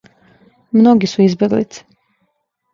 Многи су избеглице.